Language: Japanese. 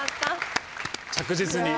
着実に。